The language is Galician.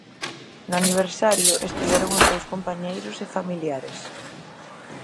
No aniversario estiveron os seus compañeiros e familiares.